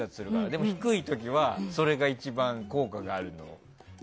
でも低い時はそれが一番効果がある。